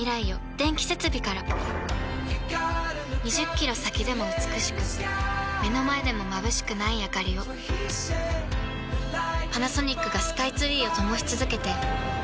２０キロ先でも美しく目の前でもまぶしくないあかりをパナソニックがスカイツリーを灯し続けて今年で１０年